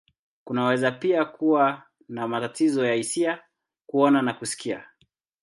Kunaweza pia kuwa na matatizo ya hisia, kuona, na kusikia.